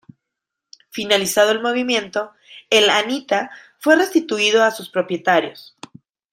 Finalizado el movimiento, el "Anita" fue restituido a sus propietarios.